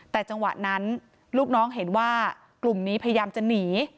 แต่จังหวะนั้นลูกน้องเห็นว่ากลุ่มนี้พยายามจะหนี